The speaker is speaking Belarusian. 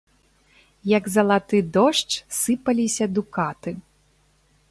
Як залаты дождж, сыпаліся дукаты.